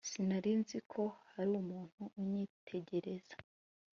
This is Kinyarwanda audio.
Sinari nzi ko hari umuntu unyitegereza